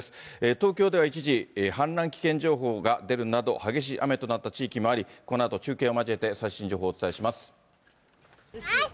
東京では一時、氾濫危険情報が出るなど、激しい雨となった地域もあり、このあと中継を交えて、最新情報をお伝えします。